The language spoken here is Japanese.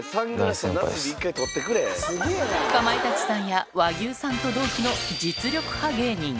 かまいたちさんや和牛さんと同期の実力派芸人。